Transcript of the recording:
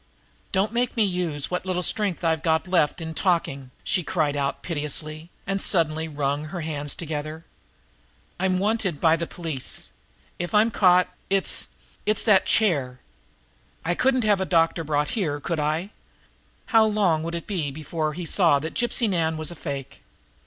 "Don't make me use up what little strength I've got left in talking," she cried out piteously, and suddenly wrung her hands together. "I'm wanted by the police. If I'm caught, it's it's that 'chair.' I couldn't have a doctor brought here, could I? How long would it be before he saw that Gypsy Nan was a fake?